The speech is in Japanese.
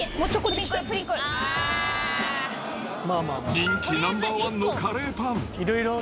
人気ナンバー１のカレーパン。